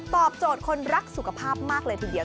ตอบโจทย์คนรักสุขภาพมากเลยทีเดียว